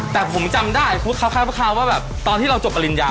แต่ผมจำได้คล้ายว่าแบบตอนที่เราจบปริญญา